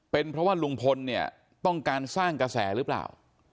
เป็นเพราะว่าลุงพลเนี่ยต้องการสร้างกระแสหรือเปล่า